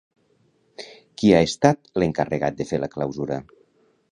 Qui ha estat l'encarregat de fer la clausura?